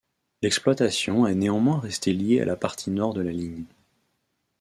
L'exploitation est néanmoins restée liée à la partie nord de la ligne.